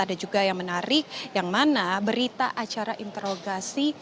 ada juga yang menarik yang mana berita acara interogasi